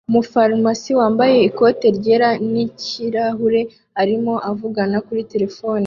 Umufarumasiye wambaye ikote ryera nikirahure arimo avugana kuri terefone